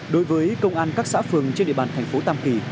đối với công an các xã phường trên địa bàn tp tâm kỳ